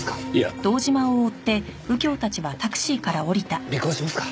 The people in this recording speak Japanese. あっ尾行しますか？